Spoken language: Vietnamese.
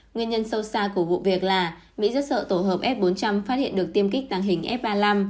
nguyên nhân sâu xa của vụ việc là mỹ rất sợ tổ hợp f bốn trăm linh phát hiện được tiêm kích tàng hình f ba mươi năm